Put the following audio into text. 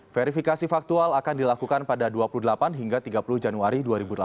verifikasi faktual akan dilakukan pada dua puluh delapan hingga tiga puluh januari dua ribu delapan belas